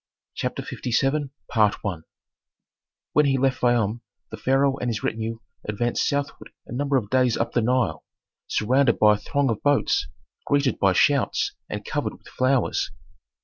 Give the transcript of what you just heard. CHAPTER LVII When he left Fayum the pharaoh and his retinue advanced southward a number of days up the Nile, surrounded by a throng of boats, greeted by shouts, and covered with flowers.